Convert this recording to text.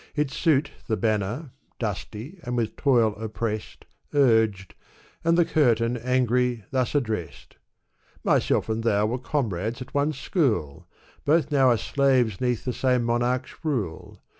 Its suit The banner, dusty and with toil oppressed, Uiged ; and the curtain, angry, thus addressed :" Myself and thou were comrades at one school ; Both now are slaves 'neath the same monarch's rule.